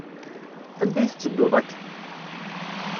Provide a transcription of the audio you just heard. Anda i tettedduḍ akka?